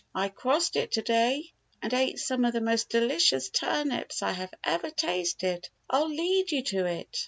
I crossed it to day, and ate some of the most delicious turnips I ever tasted. I'll lead you to it."